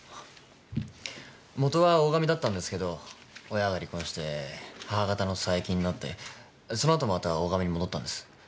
元は大神だったんですけど親が離婚して母方の佐伯になってその後また大神に戻ったんです。